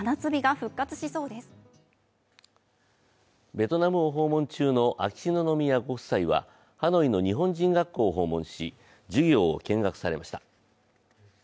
ベトナムを訪問中の秋篠宮ご夫妻はハノイの日本人学校を訪問し、授業を見学されました。